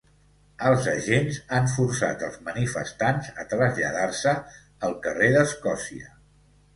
Els agents han forçat els manifestants a traslladar-se al carrer d’Escòcia.